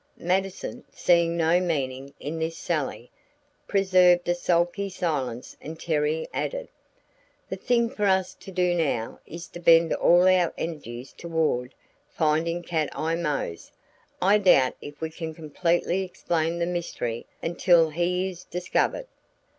Mattison, seeing no meaning in this sally, preserved a sulky silence and Terry added: "The thing for us to do now is to bend all our energies toward finding Cat Eye Mose. I doubt if we can completely explain the mystery until he is discovered."